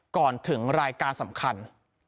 ก่อนถึงรายการสำคัญ